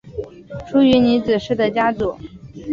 出云尼子氏的家祖。